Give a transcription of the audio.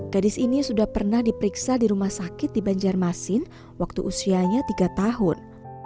gadis ini sudah pernah diperiksa di rumah sakit di banjarmasin waktu usianya tiga tahun